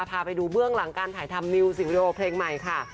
พาไปดูเบื้องหลังการถ่ายทำมิวสิงดีโอเพลงใหม่ค่ะ